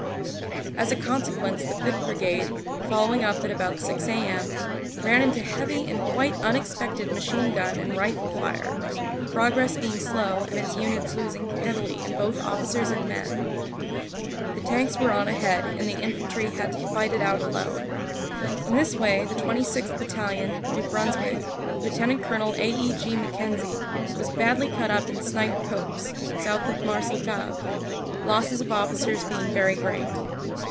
As a consequence the 5th. Brigade, following up at about 6 a.m., ran into heavy and quite unexpected machine gun and rifle fire, progress being slow and its units losing heavilv in both officers and men. The tanks were on ahead and tt the infantry had to fight it out alone. In this way the 26th. Battalion, New Brunswick, Lt. Col. A. E. G. McKenzie, was badly cut up in Snipe Copse, south of Marcelcave, losses of officers being very great.